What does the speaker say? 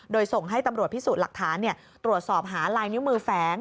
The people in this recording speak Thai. โดยส่งให้ตำรวจพิสูจน์หลักฐานตรวจสอบหาลายนิ้วมือแฝง